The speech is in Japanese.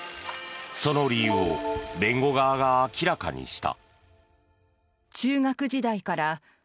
その理由を弁護側が明らかにした。